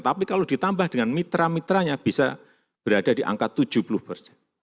tapi kalau ditambah dengan mitra mitranya bisa berada di angka tujuh puluh persen